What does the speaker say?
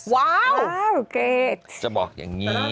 ว้าวเกรดจะบอกอย่างนี้